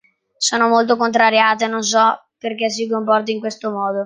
Sono molto contrariata e non so perché si comporti in questo modo.